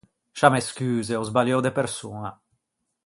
Scià me scuse, ò sbaliou de persoña.